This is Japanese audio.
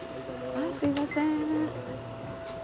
すいません。